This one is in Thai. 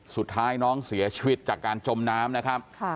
สุดท้ายน้องเสียชีวิตจากการจมน้ำนะครับ